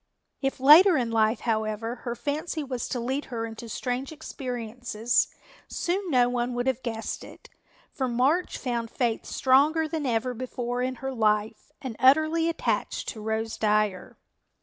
If later in life, however, her fancy was to lead her into strange experiences, soon no one would have guessed it, for March found Faith stronger than ever before in her life and utterly attached to Rose Dyer.